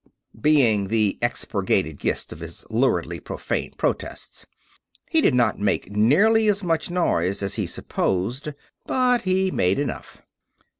being the expurgated gist of his luridly profane protests. He did not make nearly as much noise as he supposed, but he made enough.